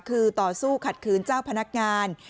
คือต่อสู้ขัดขืนเจ้าพนักงาน